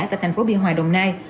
tại thành phố biên hòa đồng nai